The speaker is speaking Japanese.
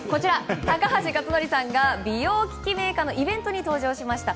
高橋克典さんが美容機器メーカーのイベントに登場しました。